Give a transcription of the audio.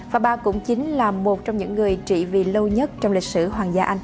và bà cũng chính là một trong những người trị vị lâu nhất trong lịch sử hoàng gia anh